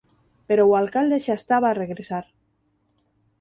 Pero o alcalde xa estaba a regresar.